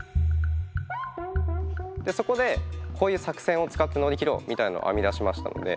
そこでこういう作戦を使ってのりきろうみたいのを編み出しましたので。